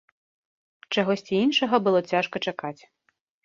Чагосьці іншага было цяжка чакаць.